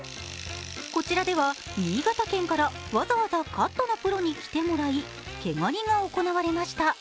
こちらでは新潟県からわざわざカットのプロに来てもらい毛刈りが行われました。